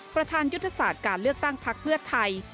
ประธานยุทธศาสตร์การเลือกตั้งพักเพื่อไทย